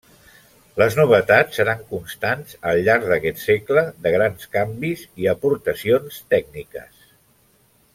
Les novetats seran constants al llarg d'aquest segle de grans canvis i aportacions tècniques.